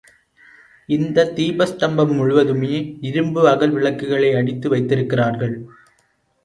இந்த தீபஸ்தம்பம் முழுவதுமே இரும்பு அகல் விளக்குகளை அடித்து வைத்திருக்கிறார்கள்.